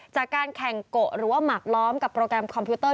จากการแข่งโกะหรือว่าหมักล้อมกับโปรแกรมคอมพิวเตอร์